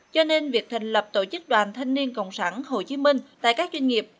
cho nên việc thành lập tổ chức đoàn thanh niên cộng sản hồ chí minh tại các doanh nghiệp